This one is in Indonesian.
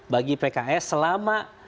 bagi pks selama